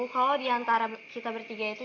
kalau diantara kita bertiga itu